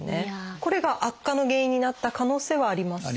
これが悪化の原因になった可能性はありますか？